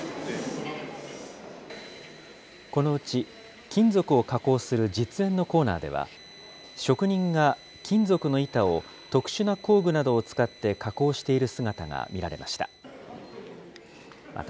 このうち金属を加工する実演のコーナーでは、職人が金属の板を特殊な工具などを使って加工している姿が見られました。